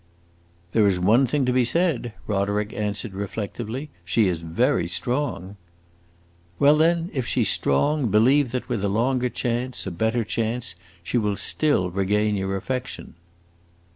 "There is one thing to be said," Roderick answered reflectively. "She is very strong." "Well, then, if she 's strong, believe that with a longer chance, a better chance, she will still regain your affection."